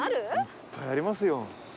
いっぱいありますよ。